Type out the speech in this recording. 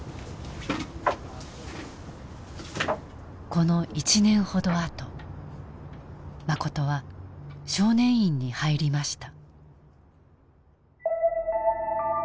この１年ほどあとマコトは少年院に入りました。